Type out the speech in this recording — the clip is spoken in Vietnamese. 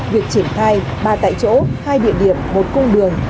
việc triển khai ba tại chỗ hai địa điểm một cung đường